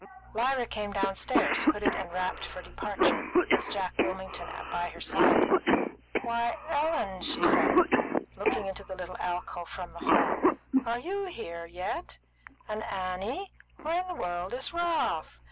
Lyra came downstairs, hooded and wrapped for departure, with Jack Wilmington by her side. "Why, Ellen!" she said, looking into the little alcove from the hall. "Are you here yet? And Annie! Where in the world is Ralph?"